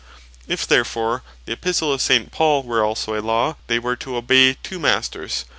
If therefore the Epistle of S. Paul were also a Law, they were to obey two Masters.